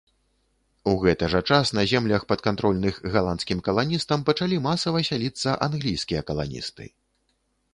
У гэты жа час на землях, падкантрольных галандскім каланістам пачалі масава сяліцца англійскія каланісты.